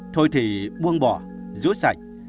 thôi thì buông bỏ rút sạch